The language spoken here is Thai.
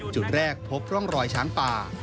จุดแรกพบร่องรอยช้างป่า